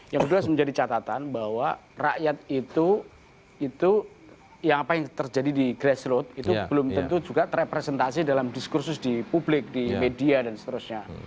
yang kedua menjadi catatan bahwa rakyat itu yang apa yang terjadi di grassroot itu belum tentu juga terrepresentasi dalam diskursus di publik di media dan seterusnya